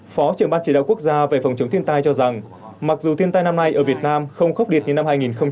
phó trưởng ban chỉ đạo quốc gia về phòng chống thiên tài cho rằng mặc dù thiên tài năm nay ở việt nam không khốc điệt như năm hai nghìn hai mươi